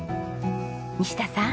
西田さん。